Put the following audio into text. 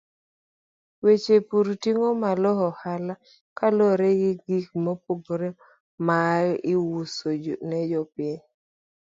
Weche pur ting'o malo ohala kaluwore gi gik mopogore ma iuso ne jopiny.